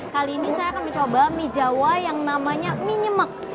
kali ini saya akan mencoba mie jawa yang namanya mie nyemek